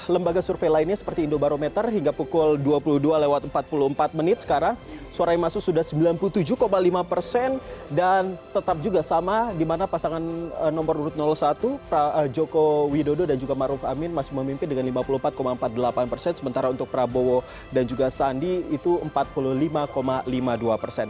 lembaga survei lainnya seperti indobarometer hingga pukul dua puluh dua empat puluh empat menit sekarang suara yang masuk sudah sembilan puluh tujuh lima persen dan tetap juga sama dimana pasangan nomor satu joko widodo dan juga ma'ruf amin masih memimpin dengan lima puluh empat empat puluh delapan persen sementara untuk prabowo dan juga sandi itu empat puluh lima lima puluh dua persen